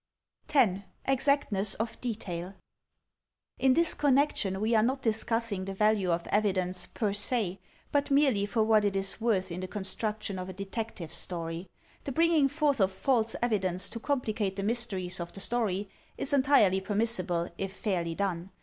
10. Exactness of Detail In this connection we are not discussing the value of evi dence, per se, but merely for what it is worth in the con struction of a Detective Story. The bringing forth of false evidence to complicate the mysteries of the story, is entirely permissible, if fairly done.